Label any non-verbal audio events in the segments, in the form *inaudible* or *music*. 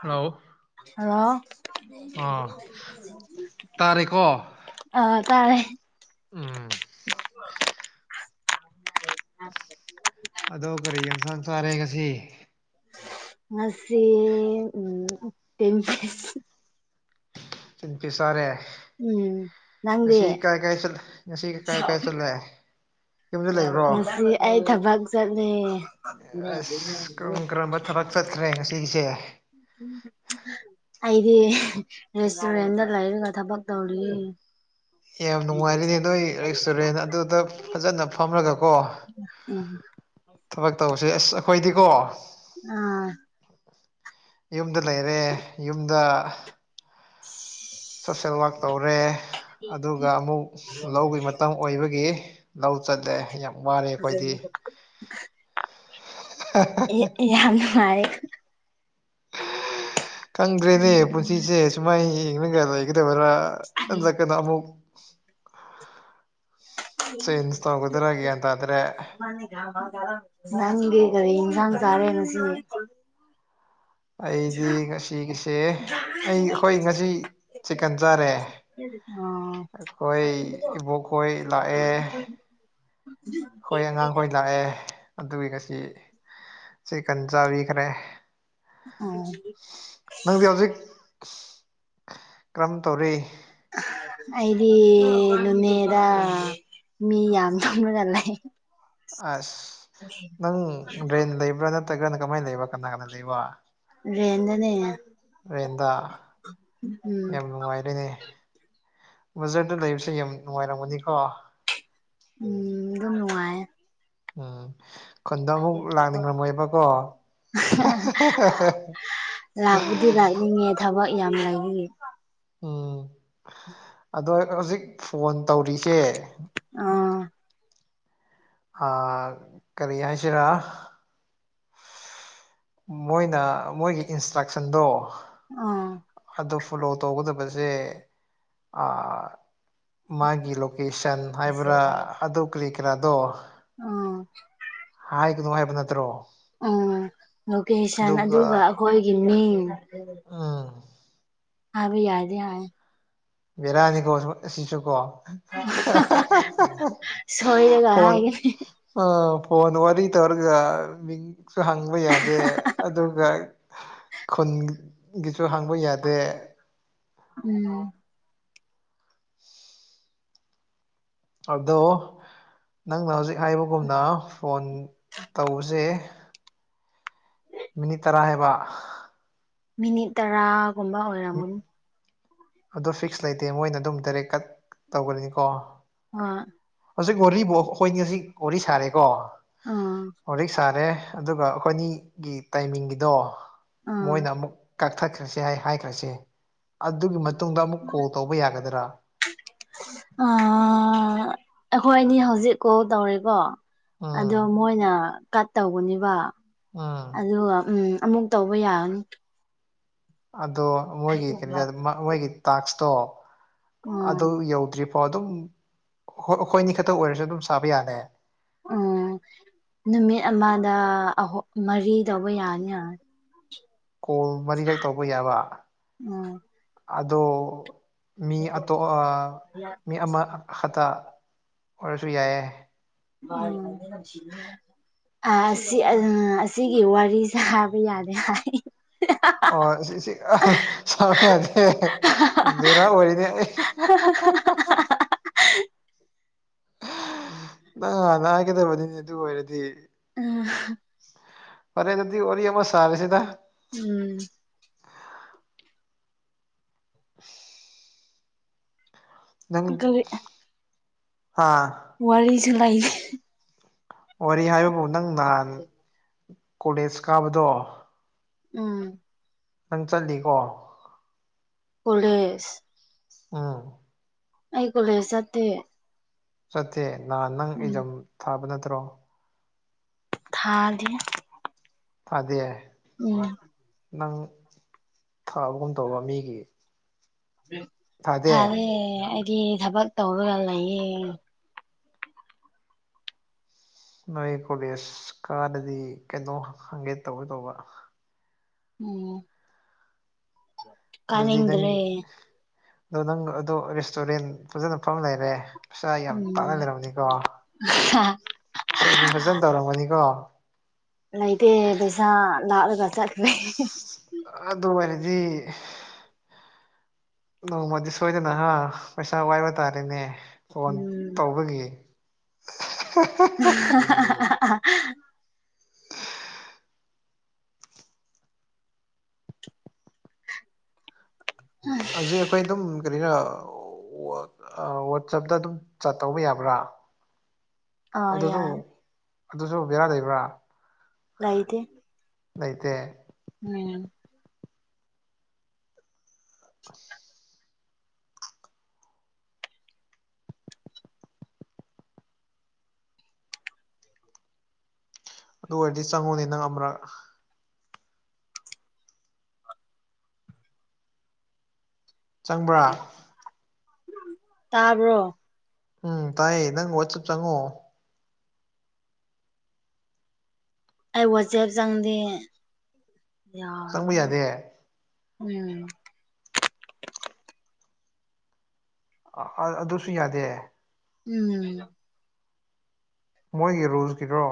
hello hello ꯑꯥ ꯇꯥꯔꯦꯀꯣ ꯑ ꯇꯥꯔꯦ ꯎꯝ ꯑꯗꯣ ꯀꯔꯤ ꯌꯦꯟꯁꯥꯡ ꯆꯥꯔꯦ ꯉꯁꯤ ꯑꯁꯤ ꯎ ꯆꯤꯟꯄꯤꯤꯁꯔꯦ ꯎꯝ ꯅꯪꯗꯤ ꯉꯁꯤ ꯀꯥꯏ ꯀꯥꯏ ꯆꯠ ꯉꯁꯤ ꯀꯥꯏ ꯀꯥꯏ ꯆꯠꯂꯦ ꯌꯨꯝꯗ ꯂꯩꯕ꯭ꯔꯣ ꯉꯁꯤ ꯑꯩ ꯊꯕꯛ ꯆꯠꯂꯦ ꯑꯁ ꯀꯔꯝ ꯀꯔꯝꯕ ꯊꯕꯛ ꯆꯠꯈ꯭ꯔꯦ ꯉꯁꯤꯒꯤꯁꯦ ꯎꯝ ꯑꯩꯗꯤ ꯔꯦꯁꯇꯣꯨꯔꯦꯟ ꯂ ꯏꯔꯒ ꯊꯕꯛ ꯇꯧꯔꯤ ꯌꯥꯝ ꯅꯨꯡꯉꯥꯏꯔꯤꯅꯦ ꯅꯣꯏ ꯔꯦꯁꯇꯨꯔꯦꯟ ꯑꯗꯨꯗ ꯐꯖꯅ ꯐꯝꯔꯒꯀꯣ ꯎꯝ ꯊꯕꯛ ꯇꯧꯕꯁꯦ ꯑꯁ ꯑꯩꯈꯣꯏꯗꯤꯀꯣ ꯑꯥ ꯌꯨꯝꯗ ꯂꯩꯔꯦ ꯌꯨꯝꯗ *inaudible* ꯁꯣꯁꯦꯜ ꯋꯔꯛ ꯇꯧꯔꯦ ꯑꯗꯨꯒ ꯑꯃꯨꯛ ꯂꯧꯒꯤ ꯑꯣꯏꯕꯒꯤ ꯂꯧ ꯆꯜꯂꯦ ꯌꯥꯝ ꯋꯥꯔꯦ ꯑꯩꯈꯣꯏꯗꯤ ꯌꯥꯝ ꯅꯨꯡꯉꯥꯏ ꯀꯪꯗ꯭ꯔꯦꯅꯦ ꯄꯨꯟꯁꯤꯁꯦ ꯁꯨꯃꯥꯏꯅ ꯌꯦ ꯌꯦꯡꯂꯉꯒ ꯂꯩꯒꯗꯕꯔꯥ ꯍꯟꯗꯛꯀꯅ ꯑꯃꯨꯛ *inaudible* ꯆꯦꯟꯖ ꯇꯒꯗ꯭ꯔꯒꯦꯗꯗ꯭ꯔꯦ ꯅꯪꯒꯤ ꯀꯔꯤ ꯏꯟꯁꯥꯡ ꯆꯥꯔꯦꯅ ꯁꯤ ꯑꯩꯗꯤ ꯉꯁꯤꯒꯤꯁꯦ ꯑꯩ ꯑꯩꯈꯣꯏ ꯉꯁꯤ ꯆꯤꯛꯀꯟ ꯆꯥꯔꯦ ꯑꯣ ꯑꯩꯈꯣꯏ ꯏꯕꯣꯛꯈꯣꯏ ꯂꯥꯛꯑꯦ ꯍꯣꯏ ꯑꯉꯥꯡꯈꯣꯏ ꯂꯥꯛꯑꯦ ꯑꯗꯨꯒꯤ ꯉꯁꯤ ꯆꯦꯀꯟ ꯆꯥꯕꯤꯈ꯭ꯔꯦ ꯑꯣ ꯅꯪꯗꯤ ꯍꯧꯖꯤꯛ ꯀꯔꯝ ꯇꯧꯔꯤ ꯑꯗꯤ ꯂꯨꯃꯦꯔ ꯃꯤ ꯌꯥꯝꯝ ꯊꯝꯅ ꯅ ꯂꯩ ꯑꯁ ꯅꯪ ꯗ꯭ꯔꯦꯟ ꯂꯩꯕ꯭ꯔꯥ ꯅꯠꯇ꯭ꯔꯒꯅ ꯀꯃꯥꯏꯅ ꯂꯩꯕ꯭ꯔꯥ ꯀꯅꯥ ꯀꯅꯥ ꯂꯩꯕ ꯔꯦꯟꯗꯅꯦ ꯔꯦꯟꯗ ꯎꯝ ꯌꯥꯝ ꯅꯨꯡꯉꯥꯏꯔꯤꯣꯏꯅꯦ ꯕꯖꯥꯔꯗ ꯂꯩꯕꯁꯦ ꯌꯥꯝ ꯅꯨꯡꯉꯥꯏꯔꯝꯒꯅꯤꯀꯣ ꯎꯝ ꯑꯗꯨꯝꯅꯨꯡꯉꯥꯏ ꯎꯝ ꯈꯨꯟꯗꯣ ꯑꯃꯨꯛ ꯂꯥꯛꯅꯤꯡꯂꯝꯝꯃꯣꯏꯕꯀꯣ ꯂꯥꯛꯄꯗꯤ ꯂꯥꯛꯅꯤꯡꯉꯦ ꯊꯕꯛ ꯌꯥꯝ ꯂꯩꯏ ꯎꯝ ꯑꯗꯣ ꯍꯧꯖꯤꯛ ꯐꯣꯟ ꯇꯧꯔꯤꯁꯦ ꯑꯥ ꯑ ꯀꯔꯤ ꯍꯥꯏꯁꯤꯔꯥ ꯃꯣꯏꯅ ꯃꯣꯏꯒꯤ ꯏꯟꯁꯇ꯭ꯔꯛꯁꯟꯗꯣ ꯑꯝ ꯑꯗꯨ ꯐꯣꯂꯣ ꯇꯧꯒꯗꯕꯁꯦ ꯃꯥꯒꯤ ꯂꯣꯀꯦꯁꯟ ꯍꯥꯏꯕ꯭ꯔꯥ ꯑꯗꯨ ꯀ꯭ꯂꯤꯛꯈ꯭ꯔꯥꯗꯣ ꯎꯝ ꯍꯥꯏꯒꯅꯣ ꯍꯥꯏꯕ ꯅꯠꯇ꯭ꯔꯣ ꯎ ꯂꯣꯀꯦꯁꯟ ꯑꯗꯨꯒ ꯑꯩꯈꯣꯏꯒꯤ ꯃꯤꯡ ꯑꯥ ꯑꯕ ꯌꯥꯗ ꯍꯥꯏ ꯕꯤꯔꯌꯥꯅꯤ ꯀꯣ ꯁꯤꯁꯨ ꯀꯣ ꯁꯣꯏꯔꯒ ꯐꯅꯤ ꯍꯥꯏꯒꯅꯤ ꯑ ꯄꯅ ꯋꯥꯔꯤꯔꯤ ꯇꯔꯒ ꯃꯤ ꯁꯨ ꯍꯪꯕ ꯌꯥꯗꯦ ꯑꯗꯨꯒ ꯈꯨꯟ ꯒꯤꯁꯨ ꯍꯥꯡꯕ ꯌꯥꯗꯦ ꯎꯝ ꯑꯗꯣ ꯅꯪꯅ ꯍꯧꯖꯤꯛ ꯍꯥꯏꯕꯒꯨꯝꯅ ꯐꯣꯟ ꯇꯧꯕꯁꯦ ꯃꯤꯅꯤꯠ ꯇꯔꯥ ꯍꯥꯏꯕ ꯃꯤꯅꯤꯠ ꯇꯔꯥꯒꯨꯝꯕ ꯑꯣꯏ ꯑꯗꯣ ꯐꯤꯛꯁ ꯂꯩꯇꯦ ꯃꯣꯏꯅ ꯑꯗꯨꯝ ꯗꯥꯏꯔꯦꯛ ꯀꯠ ꯇꯧꯒꯅꯤꯅꯤꯀꯣ ꯑ ꯍꯧꯖꯤꯛ ꯋꯥꯔꯤꯕ ꯑꯩꯈꯣꯏꯅꯤ ꯍꯧꯖꯤꯛ ꯋꯥꯔꯤ ꯁꯥꯔꯦꯀꯣ ꯋꯥꯔꯤꯛ ꯁꯥꯔꯦ ꯑꯗꯨꯒ ꯑꯩꯈꯣꯏꯅꯤꯒꯤ ꯇꯥꯏꯃꯤꯡꯒꯤꯗꯣ ꯑꯥ ꯃꯣꯏꯅ ꯑꯃꯨꯛ ꯀꯛꯊꯠꯈ꯭ꯔꯁꯤ ꯍꯥꯏ ꯍꯥꯏ ꯆꯥꯏꯁꯦ ꯑꯗꯨꯒꯤ ꯃꯇꯨꯡꯗ ꯑꯃꯨꯛ ꯀꯣꯜ ꯇꯧꯕ ꯌꯥꯒꯗ꯭ꯔꯥ ꯑꯩꯈꯣꯏ ꯑꯅꯤ ꯍꯧꯖꯤꯛꯀꯣꯜ ꯇꯧꯔꯤꯀꯣ ꯑꯗꯣ ꯎꯝ ꯃꯣꯏꯅ ꯀꯠ ꯇꯧꯕꯅꯦꯕ ꯎꯝ ꯑꯗꯨꯒ ꯎꯝ ꯑꯃꯨꯛ ꯇꯧꯕ ꯌꯥꯟ ꯑꯗꯣ ꯃꯣꯏꯒꯤ ꯀꯩꯅꯣ ꯃꯣꯏꯒꯤ ꯇꯥꯛꯁꯇꯣ ꯎꯝ ꯑꯗꯨ ꯌꯧꯗ꯭ꯔꯤ ꯑꯣ ꯑꯗꯨꯝ ꯍꯣꯏ ꯑꯩꯈꯣꯏ ꯑꯅꯤ ꯈꯛꯇ ꯑꯣꯏꯔꯁꯨ ꯑꯗꯨꯝ ꯁꯥꯕ ꯌꯥꯅꯤ ꯎꯝ ꯅꯨꯃꯤꯠ ꯑꯃꯗ ꯑ ꯃꯔꯤ ꯇꯧꯕ ꯌꯥꯅꯤ ꯌꯥꯅꯤ ꯀꯣꯜ ꯃꯔꯤꯈꯛ ꯇꯧꯕ ꯌꯥꯕ ꯎꯝ ꯑꯗꯣ ꯃꯤ ꯑꯇꯣ ꯃꯤ ꯑꯃ ꯈꯛꯇ ꯑꯣꯏꯔꯁꯨ ꯌꯥꯏꯑꯦ ꯑꯁꯤꯒꯤ ꯋꯥꯔꯤ ꯌꯥꯕ ꯌꯥꯗꯦ *inaudible* ꯑꯣ ꯁꯤ ꯁꯤꯅꯤ ꯃꯔ ꯑꯣꯏꯔꯤꯗꯤ ꯅꯪ ꯒꯗꯕꯗꯨꯅꯤ ꯑꯗꯨ ꯑꯣꯏꯔꯗꯤ ꯎꯝ ꯐꯔꯦ ꯑꯗꯨꯗꯤ ꯋꯥꯔꯤ ꯑꯃ ꯁꯥꯔꯦꯁꯤꯗ ꯎꯝ *inaudible* ꯅꯪ ꯀꯔꯤ ꯍꯥꯥ ꯋꯥꯔꯤꯁꯨ ꯂꯩ ꯋꯥꯔꯤ ꯍꯥꯏꯕꯕꯨ ꯅꯪ ꯅꯍꯥꯟ ꯀꯣꯂꯦꯖ ꯀꯥꯕꯗꯣ ꯎꯝ ꯅꯪ ꯆꯠꯂꯤꯀꯣ ꯀꯂꯦꯖ ꯎꯝ ꯑꯩ ꯀꯣꯂꯦꯖ ꯆꯠꯇꯦ ꯆꯠꯇꯦ ꯅꯍ ꯅꯪ ꯎꯝ ꯑꯦꯖꯝ ꯊꯥꯕ ꯅꯠꯇ꯭ꯔꯣ ꯊꯥꯗ ꯑꯗꯦ ꯎꯝ ꯅꯪ ꯊꯥꯕꯒꯨꯝ ꯇꯧꯕ ꯃꯤꯒꯤ ꯊꯥꯗꯦ ꯊꯥꯔꯦ ꯑꯩꯗꯤ ꯊꯕꯛ ꯇꯧꯔꯒ ꯂꯩꯌꯦ ꯅꯣꯏ ꯀꯣꯂꯦꯖ ꯀꯥꯗꯗꯤ ꯀꯩꯅꯣ ꯍꯪꯒꯦ ꯇꯧꯒꯦ ꯇꯧꯕ ꯎꯝ ꯑꯗꯨꯗꯤ ꯅꯪ ꯀꯅꯤꯗ꯭ꯔꯔꯤ ꯑꯗꯣ ꯅꯪ ꯑꯗꯣ ꯔꯦꯁꯇꯨꯔꯦꯟ ꯐꯖꯅ ꯐꯐꯝ ꯂꯩꯔꯦ ꯄꯩꯁꯥ ꯌꯥꯝ ꯇꯥꯅ ꯎꯝ ꯂꯩꯔꯝꯅꯤꯀꯣ ꯁꯦꯚꯤꯡ ꯐꯖꯅ ꯇꯧꯔꯝꯒꯅꯤꯀꯣ ꯂꯩꯇꯦ ꯄꯩꯁꯥ ꯂꯥꯛꯂꯒ ꯆꯠꯈ꯭ꯔꯦ ꯑꯁ ꯑꯗꯨ ꯑꯣꯏꯔꯗꯤ ꯅꯣꯡ ꯃꯗꯤ ꯁꯣꯏꯗꯅ ꯍꯥ ꯄꯩꯁꯥ ꯋꯥꯏꯕ ꯇꯥꯔꯦꯅꯦ ꯐꯣꯟ ꯎꯝ ꯇꯧꯕꯒꯤ ꯎꯝ ꯍꯧꯖꯤꯛ ꯑꯩꯈꯣꯏ ꯑꯗꯨꯝ ꯀꯔꯤꯔ ꯋꯥꯆꯞꯇ ꯑꯗꯨꯝ ꯆ ꯇꯧꯕ ꯌꯥꯕ꯭ꯔꯥ ꯑꯥ ꯑꯗꯨꯁꯨ ꯌꯥꯏ ꯑꯗꯨꯁꯨ ꯕꯦꯔꯥ ꯂꯩꯕ꯭ꯔꯥ ꯂꯩꯇꯦ ꯂꯩꯇꯦ ꯎꯝ ꯑꯁ *unintelligible* ꯑꯗꯨ ꯑꯣꯏꯔꯗꯤ ꯆꯪꯉꯨꯅꯦ ꯅꯪ ꯑꯃꯔꯛ ꯆꯪꯕ꯭ꯔꯥ ꯇꯥꯕ꯭ꯔꯣ ꯎꯝ ꯇꯥꯏꯌꯦ ꯅꯪ ꯋꯥꯠꯆꯞ ꯆꯪꯉꯣ ꯑꯩ ꯋꯥꯆꯦꯞ ꯆꯪꯗꯦ ꯌꯥ ꯆꯪꯕ ꯌꯥꯗꯦ ꯎꯝ ꯑꯗꯨꯁꯨ ꯌꯥꯗꯦ ꯎꯝ ꯃꯣꯏꯒꯤ ꯔꯨꯜꯁꯀꯤꯗꯣ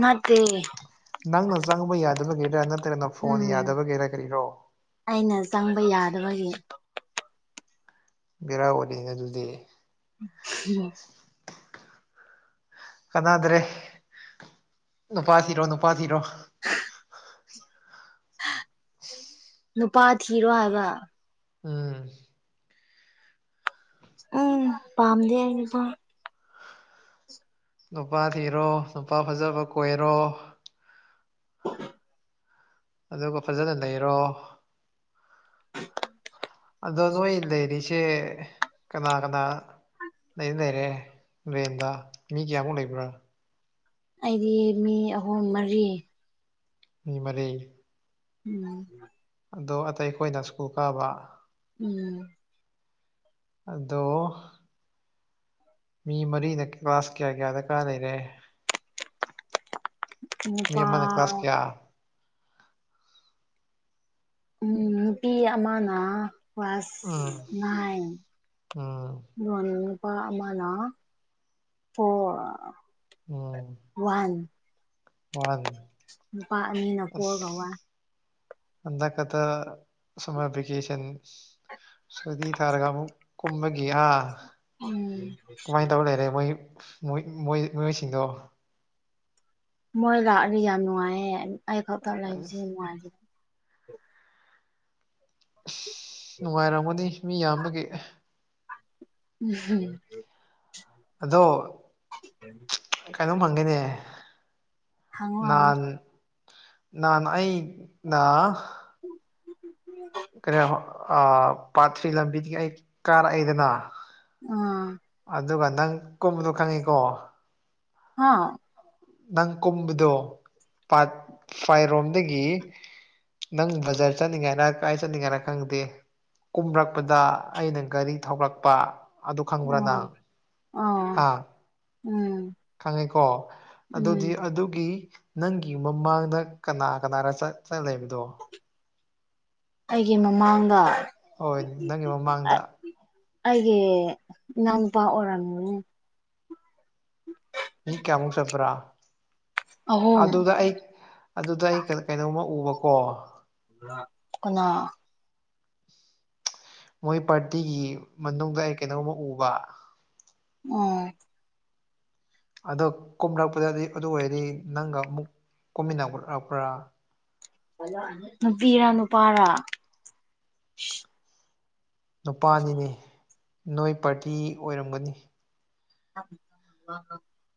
ꯃꯇꯦ ꯅꯪꯅ ꯆꯪꯕ ꯌꯥꯗꯕꯒꯤꯦꯔꯥ ꯅꯠꯇ꯭ꯔꯒꯅ ꯐꯣꯟ ꯎꯝ ꯌꯥꯗꯕꯒꯤꯦꯔ ꯀꯔꯤꯔꯣ ꯑꯩꯅ ꯆꯪꯕ ꯌꯥꯗꯕꯒꯤ ꯕꯤꯦꯔꯥꯕꯗꯤꯅꯦ ꯑꯗꯨꯗꯤ ꯌꯥ *unintelligible* ꯀꯅꯥꯗ꯭ꯔꯦ ꯅꯨꯄꯥ ꯊꯤꯔꯣ ꯅꯨꯄꯥꯊꯤꯔꯣ ꯅꯨꯄꯥ ꯊꯤꯔꯣ ꯍꯥꯏꯕ ꯎꯝ ꯎꯝ ꯄꯥꯝꯗ ꯅꯨꯄ ꯅꯨꯄꯥ ꯊꯤꯔꯣ ꯅꯨꯄꯥ ꯐꯖꯕ ꯀꯣꯏꯔꯣ ꯑꯗꯨꯒ ꯐꯖꯅ ꯂꯩꯔꯣ ꯑꯗꯣ ꯅꯣꯏ ꯂꯩꯔꯤꯁꯦ ꯀꯅꯥ ꯀꯅꯥ ꯑ ꯂꯩꯔꯦ ꯔꯦꯟꯗ ꯃꯤ ꯀꯌꯥꯃꯨꯛ ꯂꯩꯕ꯭ꯔꯥ ꯑꯩꯗꯤ ꯃꯤ ꯑꯍꯨꯝ ꯃꯔꯤ ꯃꯤ ꯃꯔꯤ ꯎꯝ ꯑꯗꯣ ꯑꯇꯩ ꯑꯩꯈꯣꯏꯅ ꯁ꯭ꯀꯨꯜ ꯀꯥꯕ ꯎꯝ ꯑꯗꯣ ꯃꯤ ꯃꯔꯤꯅ ꯀ꯭ꯂꯥꯁ ꯀꯌꯥ ꯀꯌꯥꯗ ꯀꯥ ꯂꯩꯔꯦ ꯃꯤ ꯅꯨꯄꯥ ꯑꯃꯥꯅ ꯀ꯭ꯂꯥꯁ ꯀꯌꯥ ꯎꯝ ꯅꯨꯄꯤ ꯑꯃꯅꯥ ꯄꯥꯁ ꯎꯝ ꯅꯥꯏ ꯎꯝ ꯃ ꯑꯄꯥ ꯑꯃꯗ ꯑꯣ ꯑꯣ ꯋꯥꯟ ꯋꯥꯟ ꯅꯨꯄꯥ ꯑꯅꯤꯅ ꯄꯔꯕ ꯑꯁ ꯋꯥ ꯍꯟꯗꯛ ꯈꯇ ꯁꯃꯔ ꯕꯤꯀꯦꯁꯟ ꯁꯨꯇꯤ ꯊꯥꯔꯒ ꯑꯃꯨꯛ ꯀꯨꯝꯕꯒꯤ ꯍꯥ ꯎꯝ ꯀꯃꯥꯏꯅ ꯇꯧꯔ ꯂꯩꯔꯦ ꯃꯣꯏ ꯃꯣꯏ ꯃꯤꯑꯣꯏꯁꯤꯡꯗꯣ ꯃꯣꯏ ꯂꯥꯛꯑꯗꯤ ꯌꯥꯝ ꯅꯨꯡꯉꯥꯏꯌꯦ꫰ꯑꯩ ꯈꯛꯇ ꯂꯩꯕꯁꯤ ꯌꯥꯝ ꯑꯁ ꯅꯨꯡꯉꯥꯏꯖ ꯅꯨꯡꯉꯥꯏꯔꯝꯒꯅꯤ ꯃꯤ ꯌꯥꯝꯕꯒꯤ *unintelligible* ꯑꯗꯣ ꯀꯩꯅꯣꯝ ꯍꯪꯒꯦꯅꯦ ꯍꯪꯉꯣ ꯍꯪꯉꯣ ꯅꯥꯟ ꯅꯥꯟ ꯑꯩ ꯅ ꯀꯔꯤ ꯄꯥꯠ ꯊ꯭ꯔꯤ ꯂꯝꯕꯤꯗꯒꯤ ꯑꯩ ꯀꯥꯔꯛꯏꯗꯅ ꯎꯝ ꯑꯗꯨꯒ ꯅꯪ ꯀꯨꯝꯕꯗꯣ ꯈꯪꯉꯤꯀꯣ ꯍꯥ ꯅꯪ ꯀꯨꯝꯕꯗꯣ ꯄꯥꯠ ꯐꯥꯏꯔꯣꯝꯗꯒꯤ ꯅꯪ ꯕꯖꯥꯔ ꯆꯠꯅꯤꯡꯉꯥꯏꯅ ꯀꯥꯏ ꯆꯠꯅꯤꯡꯉꯥꯏꯅ ꯈꯪꯗꯦ ꯀꯨꯝꯔꯛꯄꯗ ꯑꯩꯅ ꯒꯥꯔꯤ ꯊꯧꯂꯛꯄ ꯑꯗꯨ ꯈꯪꯕ꯭ꯔꯥꯅ ꯑꯣ ꯑꯣ ꯍꯥꯥ ꯎꯝ ꯈꯪꯉꯦꯀꯣ ꯑꯗꯨꯗꯤ ꯎꯝ ꯑꯗꯨꯒꯤ ꯅꯪꯒꯤ ꯃꯃꯥꯡꯗ ꯀꯅꯥ ꯀꯅꯥꯔ ꯆꯠ ꯆꯂꯕꯗꯣ ꯑꯩꯒꯤ ꯃꯃꯥꯡꯗ ꯍꯣꯏ ꯅꯪꯒꯤ ꯃꯃꯥꯡꯗ ꯑꯩꯒꯤ ꯏꯅꯥꯎꯅꯨꯄꯥ ꯑꯣꯏꯔꯝꯃꯤꯅꯦ ꯃꯤ ꯀꯌꯥꯃꯨꯛ ꯆꯠꯄ꯭ꯔꯥ ꯑꯍꯨꯝ ꯑꯗꯨꯗ ꯑꯩ ꯑꯗꯨꯗ ꯑꯩ ꯀꯩꯅꯣꯝꯃ ꯎꯕꯀꯣ ꯀꯅꯥ ꯃꯣꯏ ꯄꯥꯔꯇꯤꯒꯤ ꯃꯅꯨꯡꯗ ꯑꯩ ꯀꯩꯅꯣꯝꯕ ꯎꯕ ꯑꯣ ꯑꯗꯣ ꯀꯣꯝꯂꯔꯛꯄꯗꯗꯤ ꯑꯗꯨ ꯑꯣꯏꯔꯗꯤ ꯅꯪꯒ ꯑꯃꯨꯛ ꯀꯣꯝꯃꯤꯟꯅ ꯎꯠꯂꯛꯄ꯭ꯔꯥ ꯅꯨꯄꯤꯔ ꯅꯨꯄꯥꯔ ꯅꯨꯄꯥꯅꯤꯅꯦ ꯅꯣꯏ ꯄꯥꯔꯇꯤ ꯑꯣꯏꯔꯝꯒꯅꯤ *unintelligible*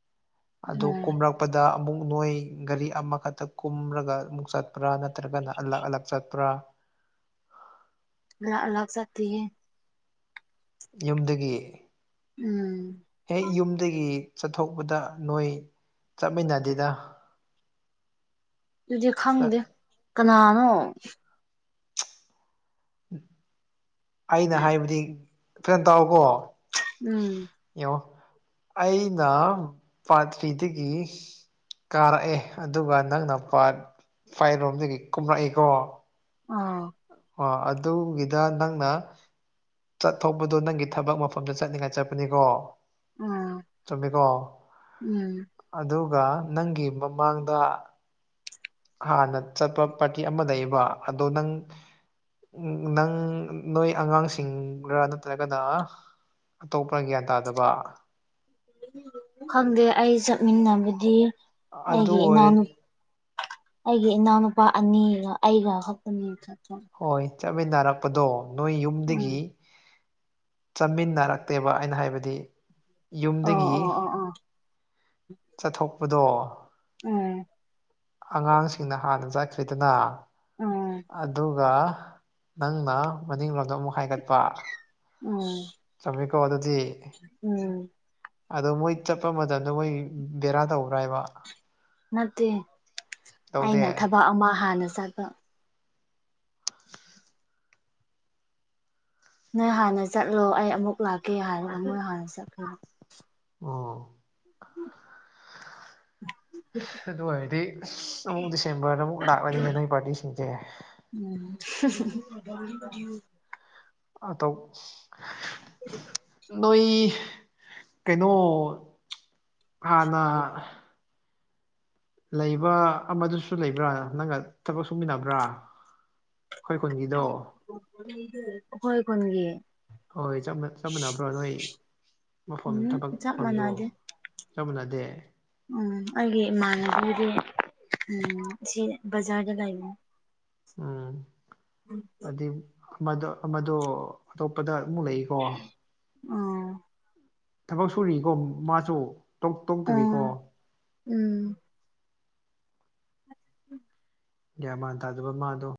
ꯑꯗꯨ ꯎꯝ ꯀꯨꯝꯔꯥ ꯆꯠꯄꯗ ꯑꯃꯨꯛ ꯅꯣꯏ ꯒꯥꯔꯤ ꯑꯃꯈꯛꯇ ꯀꯨꯝꯔꯒ ꯑꯃꯨꯛ ꯆꯠꯄ꯭ꯔꯥ ꯅꯠꯇ꯭ꯔꯒꯅ ꯑꯂꯛ ꯑꯂꯛ ꯆꯠꯄ꯭ꯔꯥ ꯑꯥꯂ ꯂꯥꯛ *unintelligible* ꯌꯨꯝꯗꯒꯤ ꯎꯝ ꯍꯦꯛ ꯌꯨꯝꯗꯒꯤ ꯆꯠꯊꯣꯛꯄꯗ ꯅꯣꯏ ꯆꯠꯃꯤꯟꯅꯗꯤꯗ ꯑꯗꯨꯗꯤ ꯆꯠ ꯈꯪꯗꯦ ꯀꯅꯥꯅꯣ ꯑꯩꯅ ꯍꯥꯏꯕꯗꯤ ꯐꯖ ꯇꯥꯛꯑꯣꯀꯣ ꯎꯝ ꯌꯦꯡꯉꯣ ꯑꯩꯅ ꯄꯥꯇ꯭ꯔꯤꯗꯒꯤ ꯀꯥꯔꯛꯑꯦ ꯑꯗꯨꯒ ꯅꯪꯅ ꯄꯥꯠ ꯄꯥꯏꯔꯣꯝꯗꯒꯤ ꯀꯨꯝꯂꯛꯏꯀꯣ ꯑꯥ ꯑꯣ ꯑꯗꯨꯒꯤꯗ ꯅꯪꯅ ꯆꯠꯊꯣꯛꯄꯗꯨꯣ ꯅꯪꯒꯤ ꯊꯕꯛ ꯃꯐꯝꯗ ꯆꯠꯅꯤꯡꯉꯥꯏ ꯆꯠꯄꯅꯤꯀꯣ ꯎꯝ ꯆꯨꯝꯃꯤꯀꯣ ꯎꯝ ꯑꯗꯨꯒ ꯅꯪꯒꯤ ꯃꯃꯥꯡꯗ ꯍꯥꯟꯅ ꯆꯠꯄ ꯄꯥꯔꯇꯤ ꯑꯃ ꯂꯩꯕ ꯑꯗꯣ ꯅꯪ ꯎ ꯅꯪ ꯅꯣꯏ ꯑꯉꯥꯡꯁꯤꯡꯒ ꯅꯠꯇ꯭ꯔꯒꯅ ꯑꯇꯣꯞꯄ ꯒ꯭ꯌꯥꯟ ꯇꯥꯗꯕ *unintelligible* ꯈꯪꯗꯦ ꯑꯩ ꯆꯠꯃꯤꯟꯅꯕꯗꯤ ꯑꯗꯨ ꯑꯩꯒꯤ ꯑꯣꯏꯔ ꯏꯅꯥꯎꯅꯨ ꯑꯩꯒꯤ ꯏꯅꯥꯎꯅꯨꯄꯥ ꯑꯅꯤꯒ ꯑꯩꯒ ꯈꯛꯇꯅꯤ ꯆꯠꯄ ꯍꯣꯏ ꯆꯠꯃꯤꯟꯅꯔꯛꯄꯗꯣ ꯅꯣꯏ ꯌꯨꯝꯗꯒꯤ ꯎꯝ ꯆꯥꯃꯤꯟꯅꯔꯛꯇꯦꯕ ꯑꯩꯅ ꯍꯥꯏꯕꯗꯤ ꯑꯣ ꯌꯨꯝꯗꯒꯤ ꯑꯣ ꯑꯣ ꯑꯣ *inaudible* ꯆꯠꯊꯣꯛꯄꯗꯣ ꯎꯝ ꯑꯉꯥꯡꯁꯤꯡꯅ ꯍꯥꯟꯅ ꯆꯠꯈ꯭ꯔꯤꯗꯅ ꯎꯝ ꯑꯗꯨꯒ ꯅꯪꯅ ꯃꯅꯤꯡꯂꯣꯝꯗꯣ ꯑꯃꯨꯛ ꯍꯥꯏꯒꯠꯄ ꯎꯝ ꯆꯨꯝꯃꯤꯀꯣ ꯑꯗꯨꯗꯤ ꯎꯝ ꯑꯗꯣ ꯃꯣꯏ ꯆꯠꯄ ꯃꯇꯝꯗ ꯃꯣꯏ ꯕꯦꯔꯥ ꯇꯧꯕ꯭ꯔ ꯍꯥꯏꯕ ꯅꯠꯇꯦ ꯇꯧꯗꯦ ꯑꯩꯅ ꯊꯕꯛ ꯑꯃ ꯍꯥꯟꯅ ꯆꯠ ꯅꯣꯏ ꯍꯥꯟꯅ ꯆꯠꯂꯣ ꯑꯩ ꯑꯃꯨꯛ ꯂꯥꯛꯀꯦ ꯍꯥꯏꯔꯒ ꯃꯣꯏ ꯍꯥꯟꯅ ꯆꯠꯄꯅꯤ ꯎꯝ ꯑꯗꯨ ꯑꯣꯏꯔꯗꯤ ꯑꯁ ꯑꯃꯨꯛ ꯗꯤꯁꯦꯝꯕꯔꯗ ꯑꯃꯨꯛ ꯂꯥꯛꯂꯅꯤꯅꯦ ꯅꯣꯏ ꯄꯥꯔꯇꯤꯁꯤꯡꯖꯦ ꯎꯝ *unintelligible* ꯑꯇꯧ *unintelligible* *unintelligible* ꯅꯣꯏ ꯀꯩꯅꯣ ꯍꯥꯟꯅ ꯂꯩꯕ ꯑꯃꯗꯨꯁꯨ ꯂꯩꯕ꯭ꯔꯥ ꯅꯪꯒ ꯊꯕꯛ ꯁꯨꯃꯤꯟꯅꯕ꯭ꯔꯥ ꯈꯣꯏ ꯀꯨꯟꯒꯤꯗꯣ *unintelligible* ꯑꯈꯣꯏ ꯈꯨꯟꯒꯤ ꯍꯣꯏ ꯆꯞ ꯆꯞ ꯃꯥꯟꯅꯕ꯭ꯔꯣ ꯅꯣꯏ ꯃꯐꯝ ꯎꯝ ꯊꯕꯛ ꯆꯞ ꯐꯝꯗꯣ ꯃꯥꯟꯅꯗꯦ ꯆꯞ ꯃꯥꯟꯅꯗꯦ ꯎꯝ ꯑꯩꯒꯤ ꯏꯃꯥꯟꯕꯤꯒꯤꯗꯤ *unintelligible* ꯎꯝ ꯁꯤ ꯕꯖꯥꯔꯗ ꯂꯩꯕꯅꯦ ꯎꯝ ꯑꯗꯤ ꯃꯗꯣ ꯑꯃꯗꯣ ꯑꯇꯣꯞꯄꯗ ꯑꯃꯨꯛ ꯂꯩꯀꯣ ꯎꯝ ꯊꯕꯛ ꯁꯨꯔꯤꯀꯣ ꯃꯥꯖꯨ ꯇꯣꯛ ꯎꯝ ꯇꯣꯛꯇ꯭ꯔꯤꯀꯣ ꯎꯝ ꯒ꯭ꯌꯥꯟ ꯃꯥꯟ ꯇꯥꯗꯕ ꯃꯥꯗꯣ